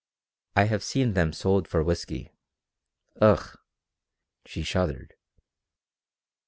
I have seen them sold for whisky. Ugh!" She shuddered.